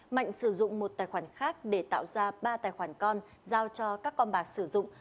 mạnh sử dụng một tài khoản khác để tạo ra ba tài khoản con giao cho các con bạc sử dụng